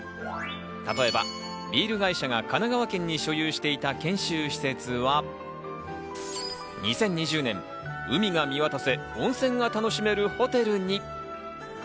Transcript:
例えばビール会社が神奈川県に所有していた研修施設は、２０２０年、海が見渡せ、温泉が楽しめるホテルに。